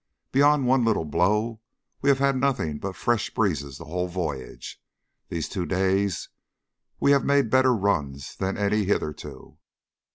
Beyond one little blow, we have had nothing but fresh breezes the whole voyage. These two days we have made better runs than any hitherto.